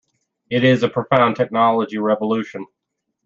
It is a profound technology revolution.